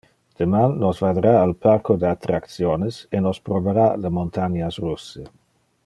Deman nos vadera al parco de attractiones e nos probara le montanias russe.